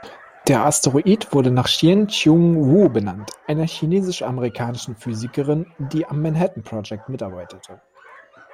Der Asteroid wurde nach Chien-Shiung Wu benannt, einer chinesisch-amerikanischen Physikerin, die am Manhattan-Projekt mitarbeitete.